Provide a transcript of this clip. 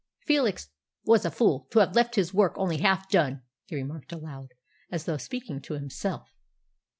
"Felix was a fool to have left his work only half done," he remarked aloud, as though speaking to himself.